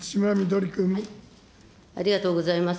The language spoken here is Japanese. ありがとうございます。